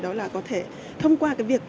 đó là có thể thông qua cái việc